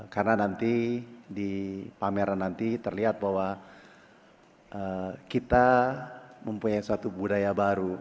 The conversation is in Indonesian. karena nanti di pameran nanti terlihat bahwa kita mempunyai suatu budaya baru